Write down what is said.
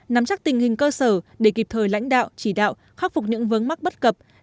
nắm chắc tình hình cơ sở để kịp thời lãnh đạo chỉ đạo khắc phục những vấn mắc bất cập